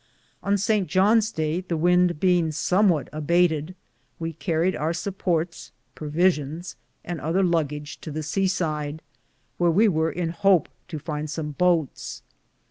On St. John's Day, the wynde beinge somwhat abatted, we carried our supportes^ and other Lugedge to the sea sid, wheare we weare in hoope to find som boats.